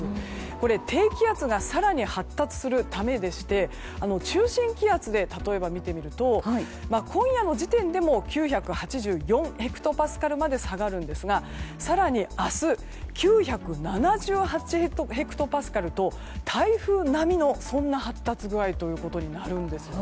これは低気圧が更に発達するためでして例えば、中心気圧で見てみると今夜の時点でも９８４ヘクトパスカルまで下がるんですが更に明日、９７８ヘクトパスカルと台風並みの発達具合となるんですね。